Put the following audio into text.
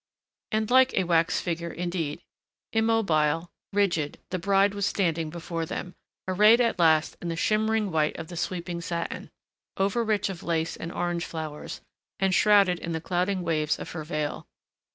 And like a wax figure indeed, immobile, rigid, the bride was standing before them, arrayed at last in the shimmering white of the sweeping satin, overrich of lace and orange flowers, and shrouded in the clouding waves of her veil.